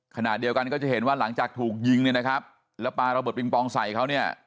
ขณะเดียวกันก็จะเห็นว่าหลังจากถูกยิงเนี่ยนะครับแล้วปลาระเบิดปิงปองใส่เขาเนี่ย